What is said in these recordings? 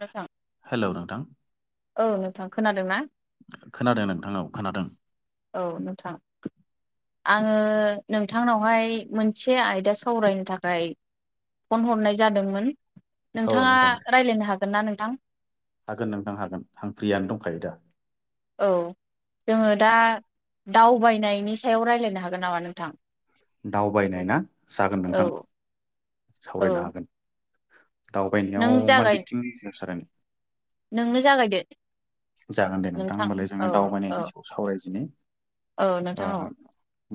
नोंथां हेलौ नोंथां। औ नोंथां खोनादों ना। खोनादों नोंथां औ खोनादों। औ नोंथां आङो नोंथांनावहाय मोनसे आयदा सावरायनो थाखाय फन हरनाय जादोंमोन औ नोंथाङा नोंथां रायलायनो हागोन ना नोंथां। हागोन नोंथां हागोन आं फ्रियानो दंखायो दा। औ जोङो दा दावबायनायनि सायाव रायलायनो हागोन नामा नोंथां। दावबायनाय ना जागोन नोंथां औ औ सावरायनो हागोन। दावबायनायाव नों मा जागाय बिथिं [unintelligible] नोंनो जागायदो जागोन दे नोंथां होनबालाय औ जोङो औ दावबायनायनि सायाव सावरायदिनि। औ ओ नोंथां औ।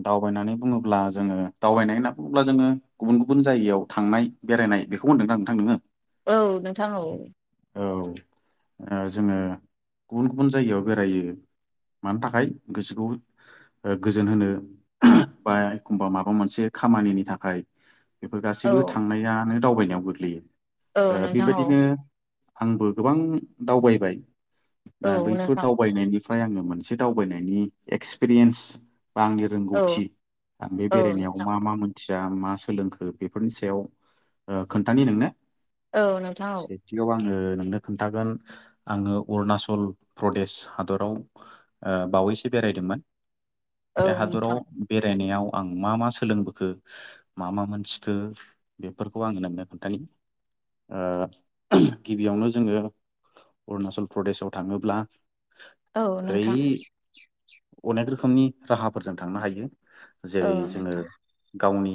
दावबायनानै बुङोब्ला जोङो दावबायनाय होनना बुङोब्ला जोङो गुबुन गुबुन जायगायाव थांनाय बेरायनाय बेखौ होन्दों दा नोंथां नोङो औ नोंथां औ औ जोङो ओ गुबुन गुबुन जायगायाव बेरायो। मानो थाखाय गोसोखौ गोजोन होनो बा एखमबा माबा मोनसे खामानिनि थाखाय बेफोर औ गासिबो दानो दावबायनायाव गोग्लैयो औ ओ नोंथां औ बेबायदिनो आंबो गोबां दावबायबाय दा औ बैफोर नोंथां दावबायनायनि फ्राय आङो मोनसे दावबायनायनि एक्सपिरियेन्स बा आंनि औ रोंगौथि बे औ बेरायनायाव नोंथां मा मा मोनथिया मा सोलोंखो बेफोरनि सा याव ओ खोन्थानि नोंनो औ नोंथां सेथिआव आङो नोंनो खोनथागोन आंङो अरुणाचल प्रदेश हादराव ओ बावैसो बे बेरायदोंमोन औ बे हादराव नोंथां बेरायनायाव आं मा मा सोलोंबोखो मा मा मोनथिखो बेफोरखौ आङो नोंनो खोन्थानि । ओ गिबियावनो जोङो अरुनाचल प्रदेशआव थाङोब्ला औ ओरै नोंथां अनेक खोमनि राहाफोरजों थांनो हायो जेरै औ नोंथां जोङो गावनि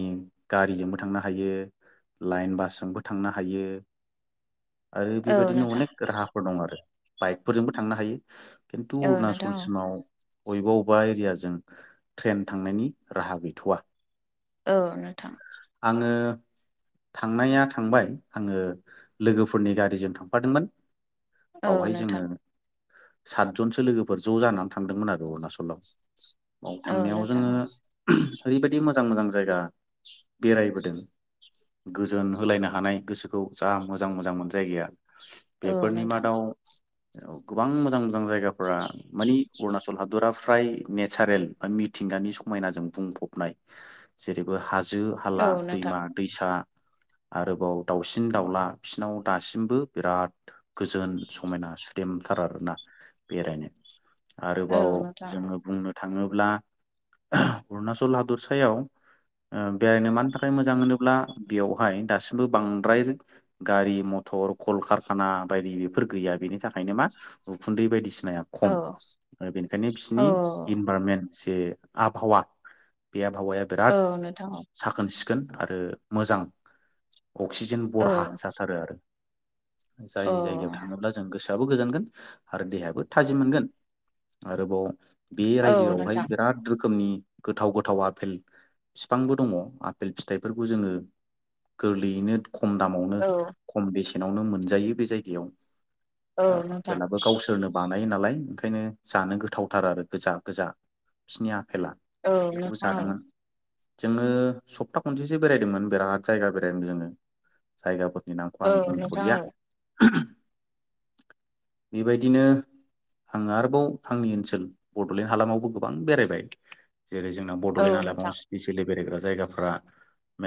गारिजोंबो थांनो हा यो लाइन बासजोंबो थांनो हायो। आरो औ बेबायदिनो नोंथां अनेक राहाफोर दं आरो बाइकफोरजोंबो थांनो हायो। खिन्थु औ नोंथां अरुणाचलसिमाव। बबेबा बबेबा एरियाजों ट्रेन थांनायनि राहा गैथ'वा। ओ नोंथां। आङो थांनाया थांबाय आङो लोगोफोरनि गारिजों थांफादोंमोन। औ बावहाय नोंथां जोङो सातजनसो लोगोफोर ज' जानानै थांदोंमोन आरो अरुणाचलाव। बाव औ थांनायाव नोंथां जोङो ओरैबायदि मोजां मोजां जायगा बेरायबोदों। गोजोन होलायनो हानाय गोसोखौ जा मोजां मोजांमोन जायगाया । औ बेफोरनि नोंथां मादाव गोबां मोजां मोजां जायगाफोरा मानि अरुणाचल हादरा फ्राय नेचारेल बा मिथिंगानि समायनाजों बुंफबनाय जेरैबो हा जो औ हाला नोंथां दैमा दैसा [inaudible] आरोबाव दाउसिन दाउला बिसिनाव दासिमबो बिराद गोजोन समायना सुदेम। थार आरोना बेरायनो औ आरोबाव नोंथां जोङो बुंनो थाङोब्ला अरुणचल हादरसायाव ओ बेरायनो मानि थाखाय मोजां होनोब्ला बेयावहाय दासिमबो बांद्राय गारि मटर कलकारखाना बायदि बेफोर गैया। बेनि थाखायनो मा उखुन्दै बायदिसिनाया औ खम बेनिखायनो औ बिसोरनि इनभारमेन्ट जे आबहावा बे आबहावाया बिराद औ नोंथां साखोन सिखोन आरो मोजां अक्सिजेन बरहा औ जाथारो आरो। औ जाय जायगायाव थांङोब्ला जों गोसो आबो गोजानगोन आरो देहायाबो थाजिम मोनगोन आरोबाव बे औ रायजोआवहाय नोंथां बिराद रोखोमनि गोथाव गोथाव आफेल फिफांबो दङ आफेल फिथाइफोरखौ जोङो गोरलैयैनो खम दामावनो औ खम बेसेनावनो मोनजायो बे जायगायाव। औ ओ नोंथां बेनाबो गावसोरनो बा नायो नालाय ओंखायनो जानो गोथावथार आरो गोजा गोजा बिसोरनि आफेला औ बेखौबो नोंथां जादोंमोन । जोङो सप्ता खनसेसो बेरायदोंमोन बिराद जायगा बेरायदों जोङो जायगा बो नामखौ औ आं नोंथां बुंथ'लिया। [inaudible] बेबायदिनो आं आरोबाव आंनि ओनसोल बड'लेण्ड हालामावबो गोबां बेरायबाय। जेरै जोंना औ बड'लेण्ड हालामाव स्पिसियेलि बेरायग्रा जायगाफ्रा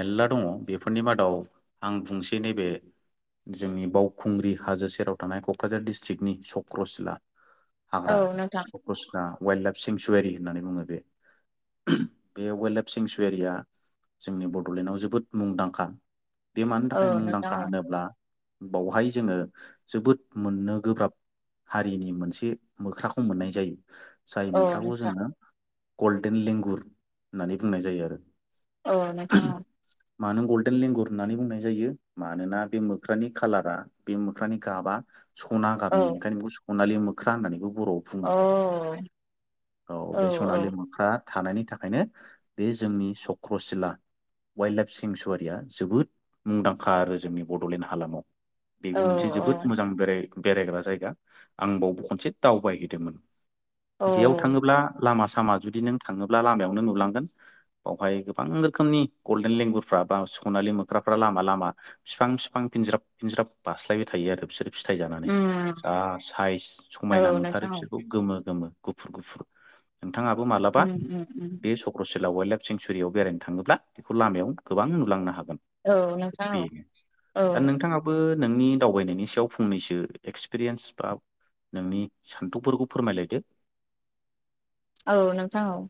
मेरला दङ बेफोरनि मादाव आं बुंसै नैबे जोंनि बावखुंग्रि हाजो सेराव थानाय क'क्राझार डिस्ट्रिक्टनि चक्रशिला हाग्रा औ नोंथां चक्रशिला वाइल्ड लाइफ सेंसुवारि होननानै बुङो बे बे वाइल्ड लाइफ सेंसुरिया जोंनि बड'लेण्डआव जोबोद मुंदांखा बे मानि थाखाय औ मुंदांखा नोंथां होनोब्ला बावहाय जोङो जोबोद मोननो गोब्राब हारिनि मोनसे मोख्राखौ मोननाय जायो। जाय औ मोख्राखौ नोंथां औ जोङो गल्डेन लेंगुर होननानै बुंनाय जायो आरो। औ नोंथां आं। मानो गल्डेन लेंगुर होननानै बुंनाय जायो? मानोना बे मोख्रानि खाालारा बे मोख्रानि गाबा सना औ गाबनि ओंखायनो बेखौ सनालि मोख्रा होननानै बुङो। बर'आव औ फुङो औ बे सनालि मोख्रा थानायनि थाखायनो बे जोंनि चक्रसिला वाइल्ड लाइफ सिंसुरिया जोबोद मुंदांखा आरो जोंनि बड'लेण्ड हालामाव। औ बेबो मोनसे जोबोद मोजां बेराय बेरायग्रा जायगा आं बावबो खनसे दावबायहैदोंमोन। बेयाव औ थाङोब्ला लामा सा मा जुदि नों थाङोब्ला लामायावनो नुलांगोन। बावहाय गोबां रोखोमनि गल्डेन लेंगुर माबा सख'नालि मोख्राफ्रा लामा लामा फिफां फिफां फिनज्राब फिनज्राब बास्लायबाय थायो आरो बिसोरो। फिथाइ जानानै उम जा साइज औ समायना नुथारो नोंथां बिसोरखौ गोमो गोमो। गुफुर गुफुर नोंथाङाबो मालाबा उम उम उम बे चक्रस वाइ् लाइफ सेेंन्सुरियाव बेरायनो थाङोब्ला बे लामायाव गोबां नुलांनो हागौ। औ नोंथां औ बेनो औ दा नोंथाङाबो नोंनि दावबायनायनि सायाव फंनैसो एक्सपिरियेन्स बा नोंनि सान्थौफोरखौ फोरमायलायदो! [inaudible] औ नोंथां औ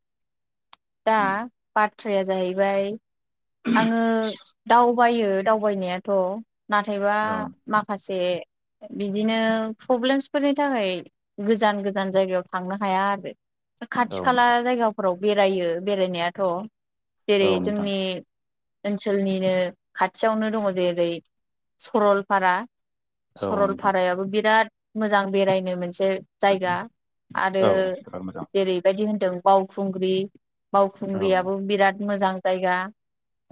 दा उम बाथ्राया जाहैबाय आङो दावबायो दावबायनायाथ' नाथायबा औ माखासे द [unintelligible] बिदिनो प्रब्लेमसफोरनि थाखाय गोजान गोजान जायगायाव थांनो हाया आरो औ खाथि खाला जायगाफोराव बेरायो बेरायनायाथ' औ जेरै नोंथां जोंनि ओनसोलनिनो खाथियावनो दङ जेरै सरलपारा। औ नोंथां सरलपारायाबो बिराद मोजां बेरायनो मोनसे जायगा आरो औ बिराद मोजां जेरैबायदि होनदों बावखुंग्रि औ बावखुंग्रियाबो बिराद मोजां जायगा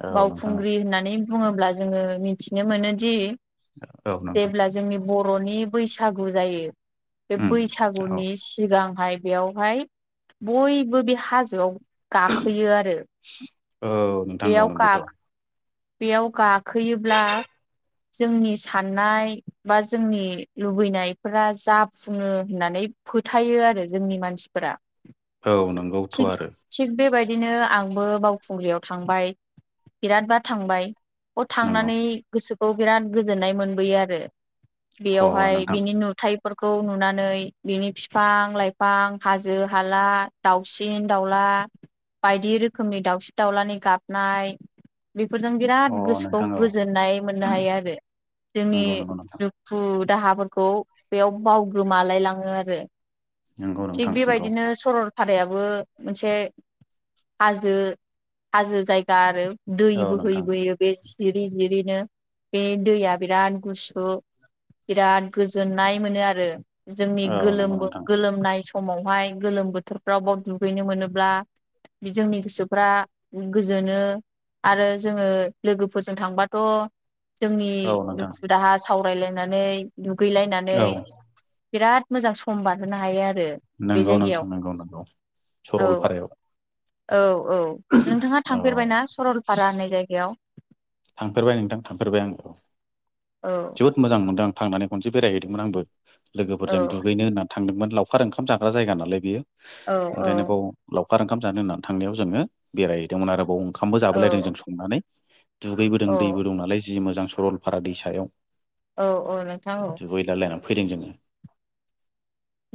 औ नोंथां बावखुंग्रि होननानै बुङोब्ला जोङो मिथिनो मोनोदि औ नोंथां। जेब्ला जोंनि बर'नि बैसागु जायो। बे उम औ बैसागुनि सिगांहाय बेयावहाय बयबो बे हाजोआव गाखोयो आरो नंगौ बेयाव गा नंगौथ'। बेयाव गाखोयोब्ला जोंनि साननाय बा जोंनि लुबैनायफोरा जाफुङो होननानै फोथायो आरो जोंनि मानसिफोरा। औ नंगौथ' आरो। बिदिनो आंबो बावखुंग्रियाव थांबाय बिरादबार थांबाय। बेयाव नंगौ थांनानै गोसोखौ बिराद गोजोननाय मोनबोयो आरो अ बेयावहाय नोंथां बिनि नुथाय फोरखौ नुनानै बिनि बिफां लाइफां हाजो हाला दाउसिन दाउला बायदि रोखोमनि दाउसिन दाउलानि गाबनाय बेफोरजों बिराद अ गोसोखौ नोंथां औ गोजोननाय मोननो हायो आरो जोंनि नंगौ नंगौ नोंथां दुखु दाहाफोरखौ बेयाव बावगोमालाय लाङो आरो। नंगौ थिग नोंथां नंगौ बेबायदिनो सरल फारायाबो मोनसे हाजो हाजो जायगा आरो । दै औ नोंथां बोहैबोयो बे जिरि जिरिनो बे दैया बिराद गुसु बिराद गोजोननाय मोनो आरो जोंनि औ नंगौ गोलोम नोंथां गोलोमनाय सम समावहाय गोलोम बोथोरफ्राव बाव दुगैनो मोनोब्ला जोंनि गोसोफ्रा गोजोनो आरो जोङो लोगोफोरजों थांबाथ' जोंनि औ नोंथां दुखु दाहा सावरायलायनानै दुगैलायनानै औ बिराद मोजां सम बारहोनो हायो आरो। बे नंगौ जायगायाव नांथां नगौ नंगौ औ सरलपारायाव औ औ नोंथाङा औ थांफेरबायना सरलपारा होननाय जायगायाव? थांफेरबाय नोंथां थांफेरबाय आङो औ औ जोबोद मोजां मोनदों आं थांनानै खनसे बेरायहैदोंमोन आंबो औ लोगोफोरजों दुगैनो होननानै थांदोंमोन लावखार ओंखाम जाग्रा जायगा नालाय बेयो औ औ ओंखायनो बाव लावख खार ओंखाम जानो होननानै थांनायाव जोङो बेरायहैदोंमोन आरोबाव ओंखामबो जाबोलायदों औ जों संनानै। दुगैबोदों औ दैबो दं नालाय जि मोजां सरलपारा दै सायाव औ औ नोंथां औ। फैदों जोङो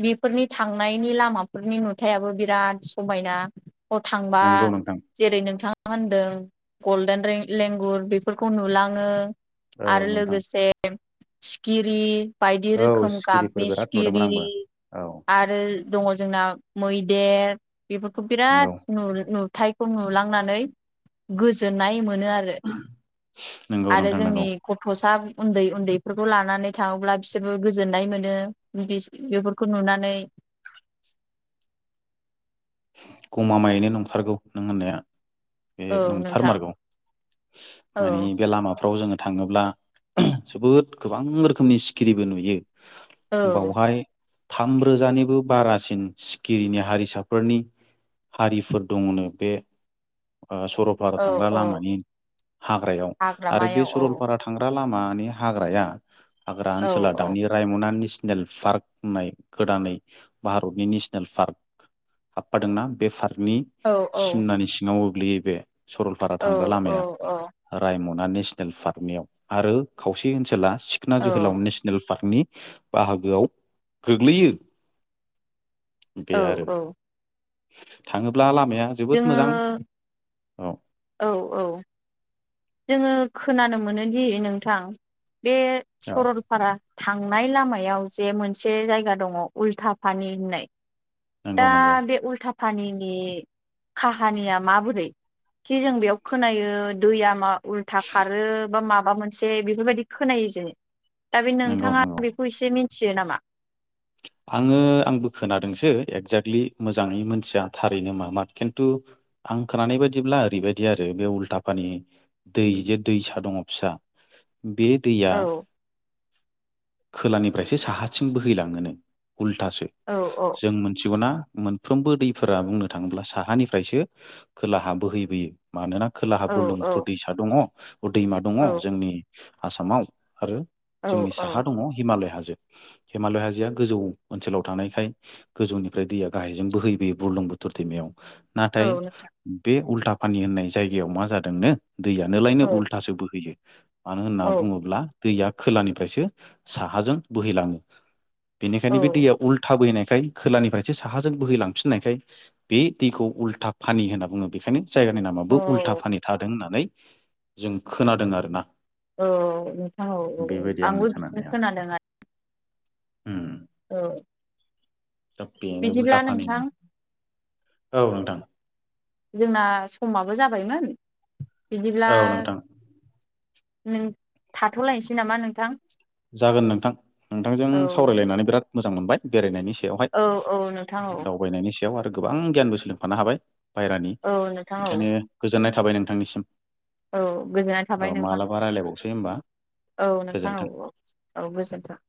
बेफोरनि थांनायनि लामाफोरनि नुथायाबो बिराद समायना। बेव थांबा नंगौ नोंथां जेरै नोंथाङा होनदों गल्डेन रें लेंगुर बेफोरखौ नुलाङो औ आरो नोंथां लोगोसे सिखिरि बायदि औ रोखोम सिखिरिफोर गाबनि बिराद नुदोंमोन सिखिरि आंबो औ आरो दङ जोंना मैदेर बेफोरखौ बिराद नंगौ नु थायखौ नुलांनानै गोजोननाय मोन नोआरो नंगौ आरो नोंथां जोंनि नंगौ गथ'सा उन्दै उन्दैफोरखौ लानानै थाङोब्ला बिसोरबो गोजोननाय मोनो बेफोरखौ खौ नुनानै गमामायैनो नंथारगौ नों होननाया। बे औ नोंथां नंथारमारगौ मानि औ बे लामाफ्राव जोङो थाङोब्ला जोबोद गोबां रोखोमनि सिखिरिबो नुयो। औ बावहाय थामरोजानिबो बारासिन सिखिरिनि हारिसा फोरनि हारिफोर दङनो बे सरलपारा औ थांग्रा औ लामानि हाग्रायाव आरो बे हाग्रामायाव औ सरलपारा थांग्रा लाम मा नि हाग्राया हाग्रा औ ओनसोला औ दानि रायमना नेसनेल पार्क होननाय गोदानै भारतनि नेसनेल पार्क हाबफादोंना बे पार्कनि औ औ सिमनानि सिङाव गोग्लैयो बे सरलपारा औ थांग्रा लामाया औ रायमना नेसनेल पार्कनियाव आरो खावसे ओनसोला सिखना औ जोहोलाव नेशनेल पार्कनि बाहागोआव गोग्लैयो। औ बे आरो औ थाङोब्ला लाम माया जोबोद जोङो मोजां औ। औ औ जोङो खोनानो मोनोदि नोंथां बे औ सरलपारा थांनाय लामायाव जे मोनसे जायगा दङ उल्थाफानि होननाय नंगौ दा नंगौ बे उलथा फा फानिनि काहानिया माबोरै खि जों बेयाव खोनायो दैया मा उल्था खारो बा माबा मोनसे बेफोरबायदि खोनायो जों दा बे नंगौ नोंथाङां नंगौ बेखौ एसे मिथियो नामा? आङो आंबो खोनादोंसो एकजाक्टलि मोजाङै मोनथिया थारैनो मामार किन्थु आं खोनानाय बायदिब्ला ओरैबायदि आरो बे उल्था पानि दै जे दैसा दङ फिसा [inaudible] बे दैया औ खोलानिफ्रायसो साहाथिं बोहैलाङोनो। उल्थासो औ जों मोनथिगौना मोनफ्रोमबो दैफोरा बुंनो थाङोब्ला साहानिफ्रायसो खोलाहा बोहैबोयो मानोना खोलाहा औ बुरदुं बुथुर दैसा दङ दैमा दङ औ जोंनि आसामाव आरो औ जोंनि औ साहा दङ हिमालय हाजो हिमालय हाजोआ गोजौ ओनसोलाव थानायखाय गोजौनिफ्राय दैया गाहायजों बोहैबोयो बुरलुं बुथोर दैमायाव। औ नाथाय नोंथां बे उल्था पानि होननाय जायगायाव मा जादोंनो औ दैयानोलायनो उल्थासो बोहैयो। मानो होनना औ बुङोब्ला दैया खोलानिफ्रायसो साहाजों बोहैलाङो। औ बेनिखायनो बे दैया उल्था बोहैनाय खाय खोलानिफ्रायसो साहाजों बोहैलांफिननायखाय बे दैखौ उल्था पानि होनना बुङो बेखायनो जायगानि नामाबो उल्था फानि थादों होननानै जों खोनादों आरोना औ नोंथां औ औ बेबायदि आंनि आंबो बिदिनो खोनानाया खोनादों आरो उम औ दा बेनो बिदिब्ला उलटा नोंथां फानिनि औ नोंथां जोंना समाबो जाबायमोन। बिदिब्ला औ नोंथां नों थाथ'लायनोसै नामा नोंथां? जागोन नोंथां नोंथांजों औ सावरायलायनानै बिराद मोजां मोनबाय बेरायनायनि सायाव औ औ नोंथां औ बेवहाय दावबायनायनि याव आरो गोबां गियानबो सोलोंफानो हाबाय बायेरानि औ नोंथां औ ओंखायनो गोजोननाय थाबाय नोंथांनिसिम औ गोजोननाय थाबाय औ नोंथां मालाबा रायलायबावसै होमबा औ नोंथां गोजोन्थों औ औ औ गोजोनथों।